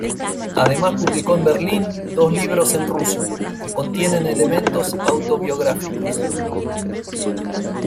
Además publicó en Berlín dos libros en ruso, que contienen elementos autobiográficos.